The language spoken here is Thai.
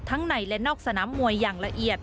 ทั้งในและนอกสนามมวย